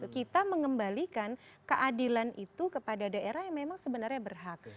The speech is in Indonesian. kita mengembalikan keadilan itu kepada daerah yang memang sebenarnya berhak